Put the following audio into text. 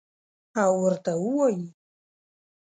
او ورته ووایي: